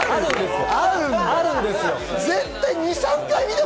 あるんですよ。